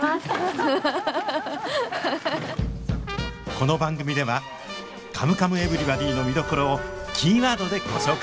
この番組では「カムカムエヴリバディ」の見どころをキーワードでご紹介